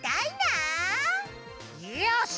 よし！